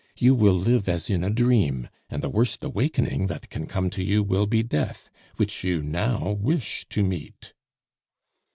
You will live as in a dream, and the worst awakening that can come to you will be death, which you now wish to meet."